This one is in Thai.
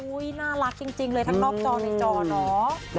น่ารักจริงเลยทั้งนอกจอในจอเนอะ